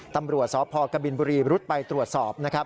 ตำรวจศพกะบินบุรีรุดไปตรวจสอบ